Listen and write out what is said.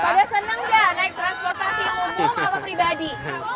pada senang nggak naik transportasi umum apa pribadi